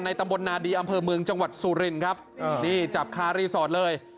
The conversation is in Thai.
ตำบลนาดีอำเภอเมืองจังหวัดสุรินครับนี่จับคารีสอร์ทเลย